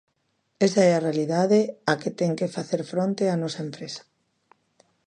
Esa é a realidade á que ten que facer fronte a nosa empresa.